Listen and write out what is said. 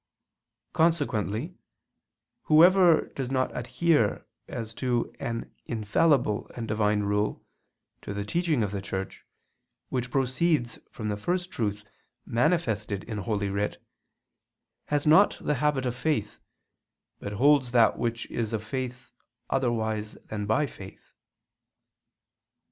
Consequently whoever does not adhere, as to an infallible and Divine rule, to the teaching of the Church, which proceeds from the First Truth manifested in Holy Writ, has not the habit of faith, but holds that which is of faith otherwise than by faith.